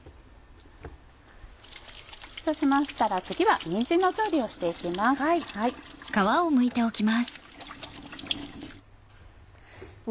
そうしましたら次はにんじんの調理をして行きます。